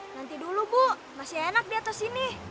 nanti dulu bu masih enak di atas sini